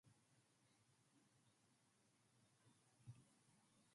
India, Central and southern India.